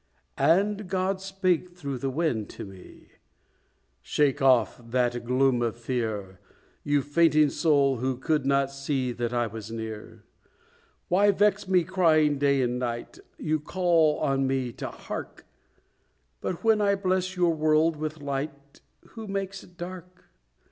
And God spake through the wind to me "Shake off that gloom of Fear, You fainting soul who could not see That I was near. "Why vex me crying day and night? You call on me to hark! But when I bless your world with light, Who makes it dark?